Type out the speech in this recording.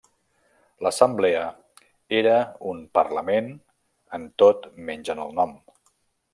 L'assemblea era un parlament en tot menys en el nom.